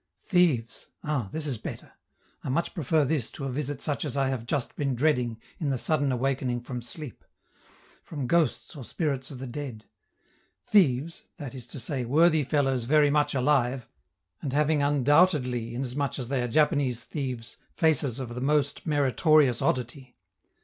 Thieves! Ah! this is better; I much prefer this to a visit such as I have just been dreading in the sudden awakening from sleep: from ghosts or spirits of the dead; thieves, that is to say, worthy fellows very much alive, and having, undoubtedly, inasmuch as they are Japanese thieves, faces of the most meritorious oddity.